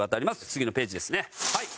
次のページですねはい。